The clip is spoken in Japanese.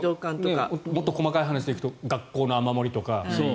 もっと細かい話で言うと学校の雨漏りとか。